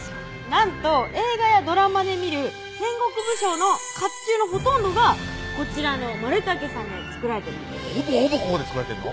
なんと映画やドラマで見る戦国武将の甲冑のほとんどがこちらの丸武さんで作られてるんですほぼほぼここで作られてんの？